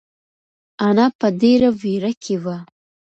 انا په ډېره وېره کې وه.